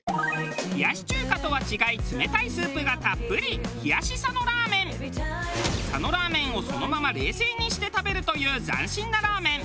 冷やし中華とは違い冷たいスープがたっぷり佐野ラーメンをそのまま冷製にして食べるという斬新なラーメン。